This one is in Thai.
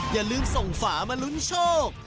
อย่าลืมส่งฝามาลุ้นโชค